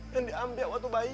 yang diambil waktu bayi